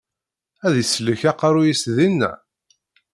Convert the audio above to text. Ad isellek aqeṛṛu-yis dinna?